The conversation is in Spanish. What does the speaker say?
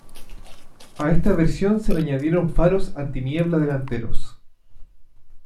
A esta versión se le añadieron faros antiniebla delanteros.